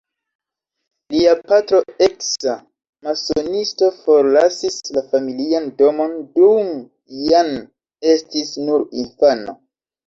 Lia patro, eksa masonisto, forlasis la familian domon dum Jan estis nur infano.